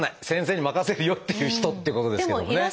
先生に任せるよ！」っていう人ってことですけどもね。